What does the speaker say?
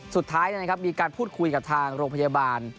สุดท้ายมีการพูดคุยกับทางโรงพยาบาล